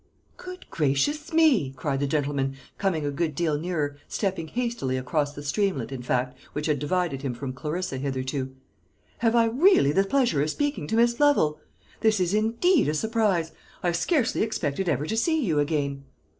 "Good gracious me!" cried the gentleman, coming a good deal nearer stepping hastily across the streamlet, in fact, which had divided him from Clarissa hitherto. "Have I really the pleasure of speaking to Miss Lovel? This is indeed a surprise. I scarcely expected ever to see you again."